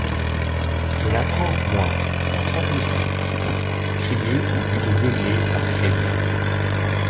Je la prends, moi, pour trente mille francs! criés ou plutôt beuglés par Crémière.